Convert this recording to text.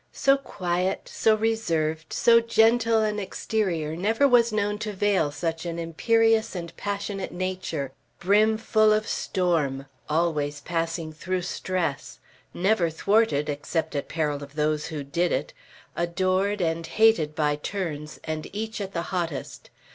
So quiet, so reserved, so gentle an exterior never was known to veil such an imperious and passionate nature, brimful of storm, always passing through stress; never thwarted, except at peril of those who did it; adored and hated by turns, and each at the hottest.